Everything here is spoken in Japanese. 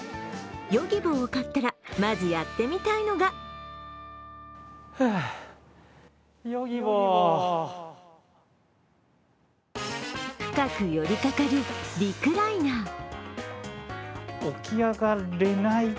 Ｙｏｇｉｂｏを買ったら、まずやってみたいのが深くよりかかるリクライナー。